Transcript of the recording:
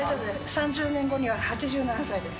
３０年後には８７歳です。